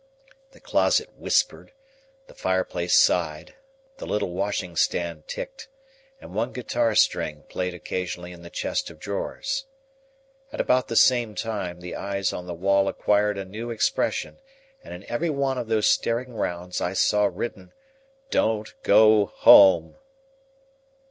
The closet whispered, the fireplace sighed, the little washing stand ticked, and one guitar string played occasionally in the chest of drawers. At about the same time, the eyes on the wall acquired a new expression, and in every one of those staring rounds I saw written, DON'T GO HOME.